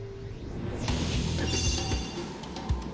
よし！